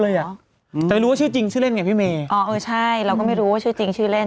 อืมแต่ไม่รู้ว่าชื่อจริงชื่อเล่นไงพี่เมย์อ๋อเออใช่เราก็ไม่รู้ว่าชื่อจริงชื่อเล่น